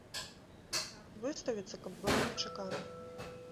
Выставіцца, каб было нечакана.